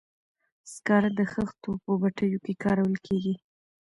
سکاره د خښتو په بټیو کې کارول کیږي.